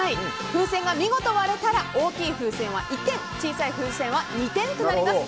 風船が見事割れたら大きい風船は１点小さい風船は２点となります。